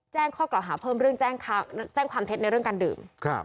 แจ้งข้อกล่าวหาเพิ่มเรื่องแจ้งความเท็จในเรื่องการดื่ม